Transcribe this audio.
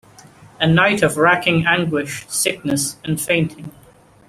A night of racking anguish, sickness and fainting.